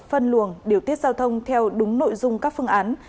phân luồng điều tiết giao thông theo đúng nội dung các phương án